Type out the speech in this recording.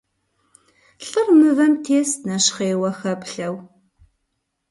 Лӏыр мывэм тест, нэщхъейуэ хэплъэу.